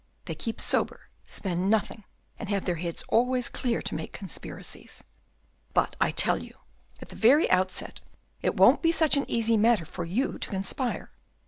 They keep sober, spend nothing, and have their heads always clear to make conspiracies. But I tell you, at the very outset, it won't be such an easy matter for you to conspire.